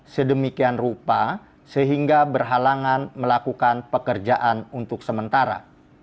sedemikian rupa sehingga berhalangan melakukan pekerjaan untuk sementara